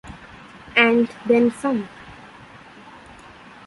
And then some.